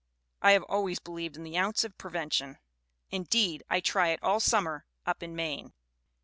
I have always believed in the ounce of prevention. Indeed, I try it all summer up in Maine.